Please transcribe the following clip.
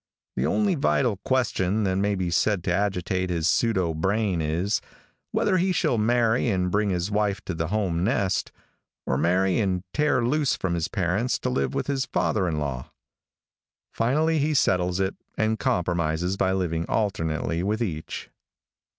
The only vital question that may be said to agitate his pseudo brain is, whether he shall marry and bring his wife to the home nest, or marry and tear loose from his parents to live with his father in law. Finally he settles it and compromises by living alternately with each.